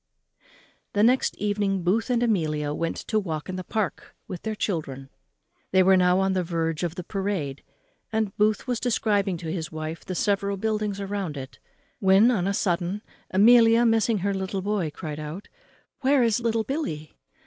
_ The next evening Booth and Amelia went to walk in the park with their children. They were now on the verge of the parade, and Booth was describing to his wife the several buildings round it, when, on a sudden, Amelia, missing her little boy, cried out, "Where's little Billy?"